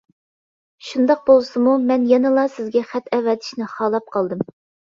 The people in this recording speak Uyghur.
شۇنداق بولسىمۇ، مەن يەنىلا سىزگە خەت ئەۋەتىشنى خالاپ قالدىم.